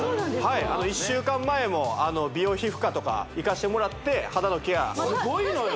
はい１週間前も美容皮膚科とか行かせてもらって肌のケアすごいのよ